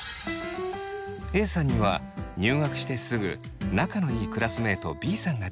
Ａさんには入学してすぐ仲のいいクラスメートＢさんができました。